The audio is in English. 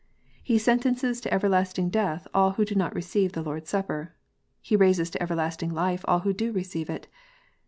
He sentences to everlasting death all who do not receive the Lord s Supper. He raises to everlasting life all who do receive it.